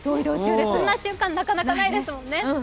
そんな瞬間なかなかないですもんね。